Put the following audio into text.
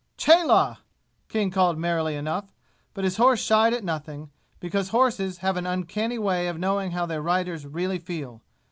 "Cheloh!" King called merrily enough; but his horse shied at nothing, because horses have an uncanny way of knowing how their riders really feel.